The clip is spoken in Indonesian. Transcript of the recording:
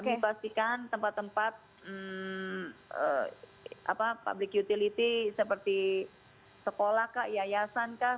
dipastikan tempat tempat public utility seperti sekolah kah yayasan kah